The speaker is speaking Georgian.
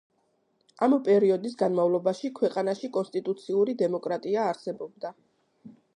ამ პერიოდის განმავლობაში ქვეყანაში კონსტიტუციური დემოკრატია არსებობდა.